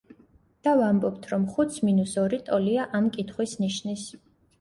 და ვამბობთ, რომ ხუთს მინუს ორი ტოლია ამ კითხვის ნიშნის.